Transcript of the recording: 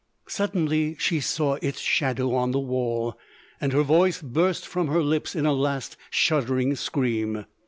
Suddenly she saw its shadow on the wall; and her voice burst from her lips in a last shuddering scream.